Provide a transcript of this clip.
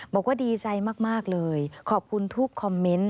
บอกว่าดีใจมากเลยขอบคุณทุกคอมเมนต์